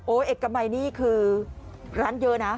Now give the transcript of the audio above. โอ้ตัวเอกมายนี่คือร้านเยอะนะ